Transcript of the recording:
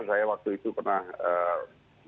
saya waktu itu pernah